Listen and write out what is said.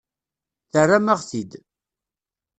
Terram-aɣ-t-id.